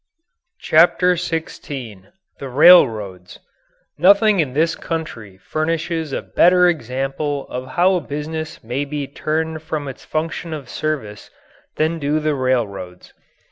CHAPTER XVI THE RAILROADS Nothing in this country furnishes a better example of how a business may be turned from its function of service than do the railroads.